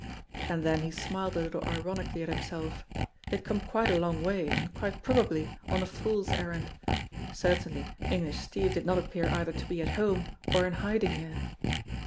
And then he smiled a little ironically at himself. He had come quite a long way and quite probably on a fool's errand. Certainly English Steve did not appear either to be at home or in hiding here